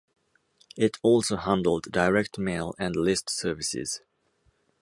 It also handled direct mail and list services.